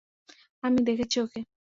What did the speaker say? আমি দেখেছি ওকে!